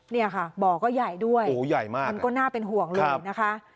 เนี่ยค่ะบ่อก็ใหญ่ด้วยโอ้โหใหญ่มากมันก็น่าเป็นห่วงเลยนะคะ